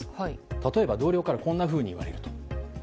例えば、同僚からこんなふうに言われると。